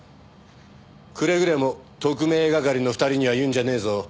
くれぐれも特命係の２人には言うんじゃねえぞ。